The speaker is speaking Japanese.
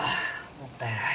もったいない。